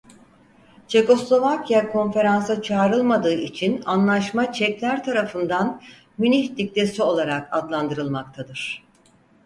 Çekoslovakya konferansa çağrılmadığı için anlaşma Çekler tarafından Münih Diktesi olarak adlandırılmaktadır.